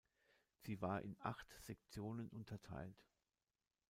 Sie war in acht Sektionen unterteilt.